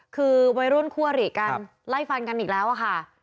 คือวัยรุ่นคั่วหรี่กันไล่ฟันกันอีกแล้วอะค่ะ